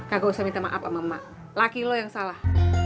kagak usah minta maaf sama mak laki lo yang salah